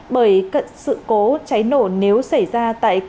bởi sự cố cháy nổ nếu xảy ra tại cửa hàng